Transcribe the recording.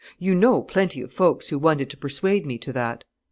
You know plenty of folks who wanted to persuade me to that.